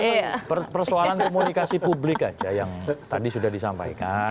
ya persoalan komunikasi publik aja yang tadi sudah disampaikan